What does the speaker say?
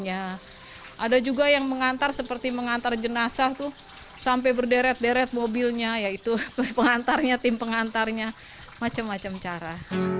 ada juga yang mengantar seperti mengantar jenazah itu sampai berderet deret mobilnya yaitu pengantarnya tim pengantarnya macam macam cara